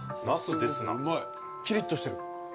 きりっとしてる。